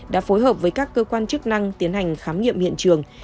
đã phối hợp với các cơ quan chức năng tiến hành khám nghiệm hiện trường